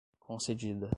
concedida